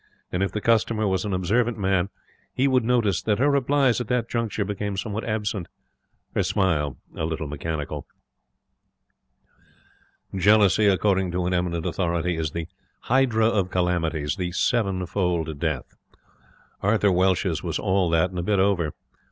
And, if the customer was an observant man, he would notice that her replies at that juncture became somewhat absent, her smile a little mechanical. Jealousy, according to an eminent authority, is the 'hydra of calamities, the sevenfold death'. Arthur Welsh's was all that and a bit over.